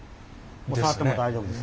触っても大丈夫です。